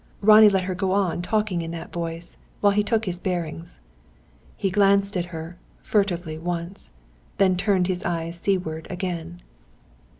Ronnie let her go on talking in that voice, while he took his bearings. He glanced at her, furtively, once; then turned his eyes seaward again.